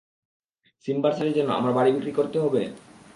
সিম্বার সার্জারির জন্য আমার বাড়ি বিক্রি করতে হবে?